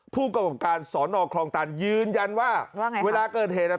ผู้กำกับการสอนอคลองตันยืนยันว่าว่าไงเวลาเกิดเหตุอ่ะ